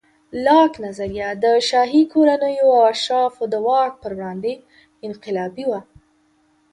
لاک نظریه د شاهي کورنیو او اشرافو د واک پر وړاندې انقلابي وه.